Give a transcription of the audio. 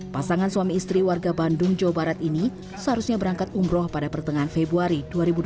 pasangan suami istri warga bandung jawa barat ini seharusnya berangkat umroh pada pertengahan februari dua ribu dua puluh